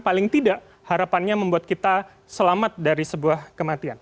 paling tidak harapannya membuat kita selamat dari sebuah kematian